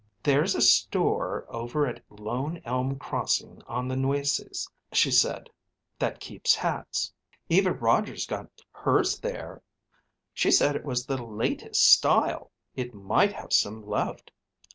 "There's a store over at Lone Elm Crossing on the Nueces," she said, "that keeps hats. Eva Rogers got hers there. She said it was the latest style. It might have some left.